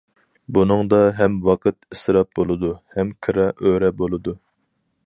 بۇنىڭدا ھەم ۋاقىت ئىسراپ بولىدۇ، ھەم كىرا ئۆرە بولىدۇ.